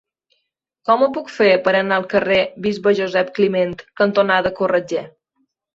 Com ho puc fer per anar al carrer Bisbe Josep Climent cantonada Corretger?